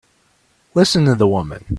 Listen to the woman!